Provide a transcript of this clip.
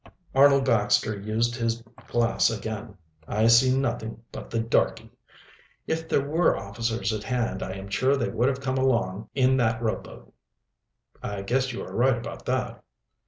Arnold Baxter used his glass again. "I see nobody but the darky. If there were officers at hand, I am sure they would have come along in that rowboat." "I guess you are right about that."